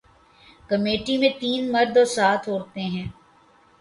committee میں تین مرد اور سات عورتیں ہیں